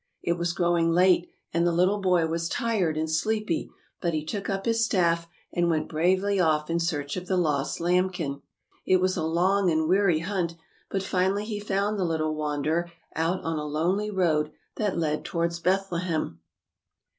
It was growing late, and the little boy was tired and sleepy, but he took up his staff and went bravely off in search of the lost lambkin. It was a long and weary hunt, but finally he found the little wanderer out on a lonely road that led towards Bethlehem.